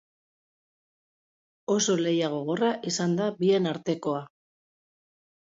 Oso lehia gogorra izan da bien artekoa.